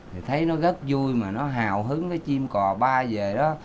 thì thấy nó rất vui mà nó hào hứng cái chim cò ba về đó